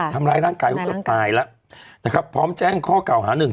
ทำร้ายร่างกายแล้วก็ตายแล้วพร้อมแจ้งข้อเก่าหาหนึ่ง